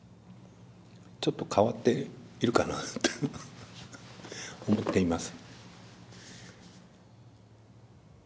ちょっと変わっているかなって思っています。